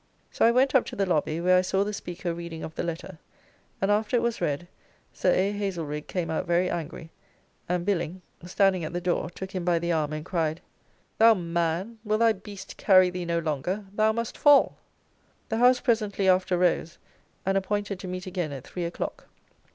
So I went up to the lobby, where I saw the Speaker reading of the letter; and after it was read, Sir A. Haselrigge came out very angry, and Billing [The quaker mentioned before on the 7th of this month.] standing at the door, took him by the arm, and cried, "Thou man, will thy beast carry thee no longer? thou must fall!" The House presently after rose, and appointed to meet again at three o'clock.